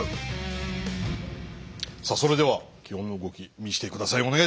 さあそれでは基本の動き見せて下さい。